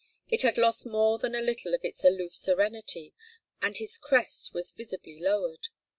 It had lost more than a little of its aloof serenity, and his crest was visibly lowered.